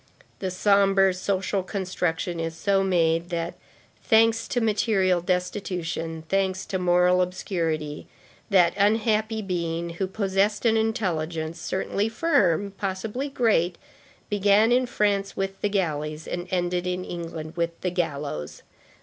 The sombre social construction is so made that, thanks to material destitution, thanks to moral obscurity, that unhappy being who possessed an intelligence, certainly firm, possibly great, began in France with the galleys, and ended in England with the gallows.